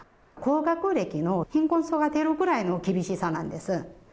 高学歴の貧困層が出るくらいの厳しさなんです。